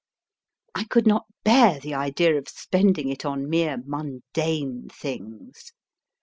I could not bear the idea of spending it on mere mundane things.